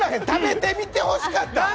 食べてみてほしかった！